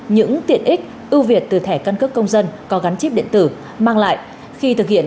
những tiện ích ưu việt từ thẻ căn cước công dân có gắn chip điện tử mang lại khi thực hiện